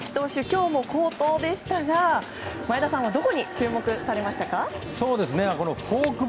今日も好投でしたが前田さんはどこに注目されましたか。